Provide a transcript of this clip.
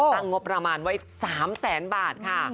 สร้างงบประมาณไว้๓๐๐๐๐๐บาทค่ะ